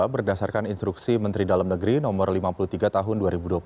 berdasarkan instruksi menteri dalam negeri no lima puluh tiga tahun dua ribu dua puluh satu